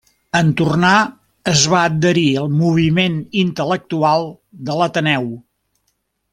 En tornar es va adherir al moviment intel·lectual de l'Ateneu.